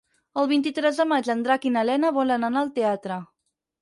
El vint-i-tres de maig en Drac i na Lena volen anar al teatre.